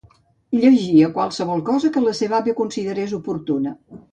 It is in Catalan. Llegia qualsevol cosa que la seva àvia considerés oportuna.